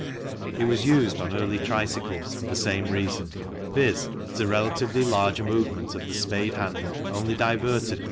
It was used on early tricycles for the same reason, viz., that a relatively large movement of the spade handle only diverted the.